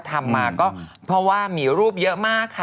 ทำมาก็เพราะว่ามีรูปเยอะมากค่ะ